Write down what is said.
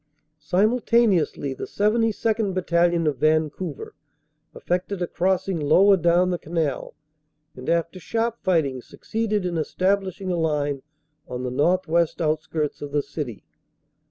Simultaneously the 72nd. Battalion, of Vancouver, effected a crossing lower down the canal, and after sharp fighting suc ceeded in establishing a line on the northwest outskirts of the city.